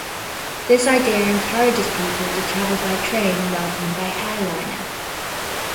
This idea encourages people to travel by train rather than by airliner.